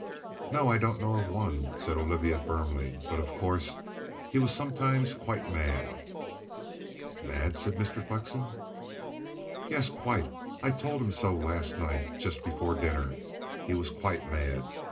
"No, I don't know of one," said Olivia firmly. "But, of course, he was sometimes quite mad." "Mad?" said Mr. Flexen. "Yes, quite. I told him so last night just before dinner. He was quite mad.